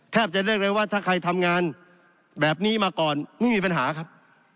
จะเรียกเลยว่าถ้าใครทำงานแบบนี้มาก่อนไม่มีปัญหาครับ